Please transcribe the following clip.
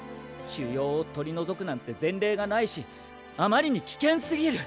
腫瘍を取り除くなんて前例がないしあまりに危険すぎる。